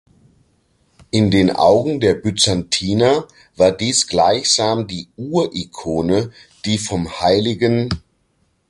In den Augen der Byzantiner war dies gleichsam die Ur-Ikone, die vom hl.